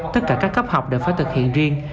tất cả các cấp học đều phải thực hiện riêng